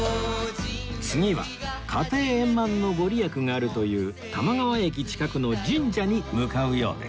次は家庭円満の御利益があるという多摩川駅近くの神社に向かうようです